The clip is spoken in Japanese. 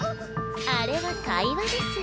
あれは会話です。